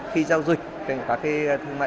khi giao dịch trên các thương mại